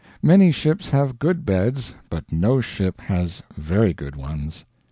Many ships have good beds, but no ship has very good ones.